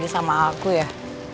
terus dia ny habeceh